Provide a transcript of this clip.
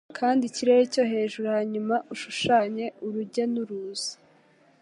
Kanda ikirere cyo hejuru hanyuma ushushanye urujya n'uruza